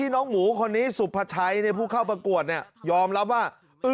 น้องหมูคนนี้สุภาชัยผู้เข้าประกวดยอมรับว่า